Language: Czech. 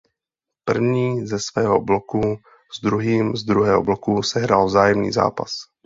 První ze svého bloku s druhým z druhého bloku sehrál vzájemný zápas.